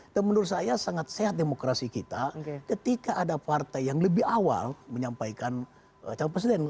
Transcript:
dan menurut saya sangat sehat demokrasi kita ketika ada partai yang lebih awal menyampaikan calon presiden